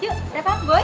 yuk depan boy